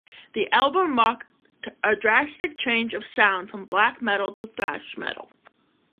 The album marked a drastic change of sound from black metal to thrash metal.